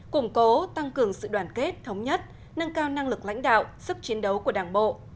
củng cố tăng cường sự đoàn kết thống nhất nâng cao năng lực lãnh đạo sức chiến đấu của đảng bộ